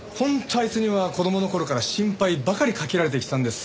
あいつには子供の頃から心配ばかりかけられてきたんです。